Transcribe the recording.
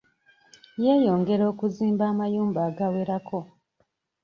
Yeyongera okuzimba amayumba agawerako.